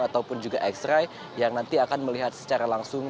ataupun juga x ray yang nanti akan melihat secara langsung